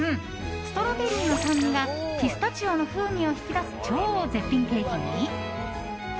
ストロベリーの酸味がピスタチオの風味を引き出す超絶品ケーキに。